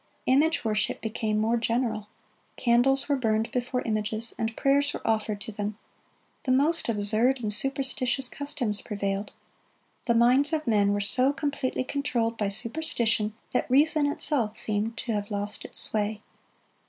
Image worship became more general. Candles were burned before images, and prayers were offered to them. The most absurd and superstitious customs prevailed. The minds of men were so completely controlled by superstition that reason itself seemed to have lost its sway.